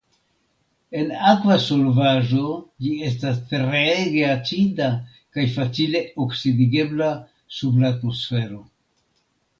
En akva solvaĵo ĝi estas treege acida kaj facile oksidigebla sub la atmosfero.